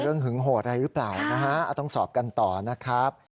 เรื่องหึงหัวใจหรือเปล่านะฮะต้องสอบกันต่อนะครับ